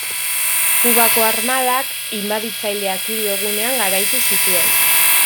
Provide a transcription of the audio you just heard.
Kubako armadak inbaditzaileak hiru egunean garaitu zituen.